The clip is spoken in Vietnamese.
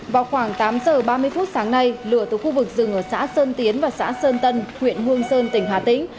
vào khoảng tám giờ ba mươi phút sáng nay lửa từ khu vực rừng ở xã sơn tiến và xã sơn tân huyện hương sơn tỉnh hà tĩnh